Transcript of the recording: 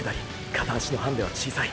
片足のハンデは小さい。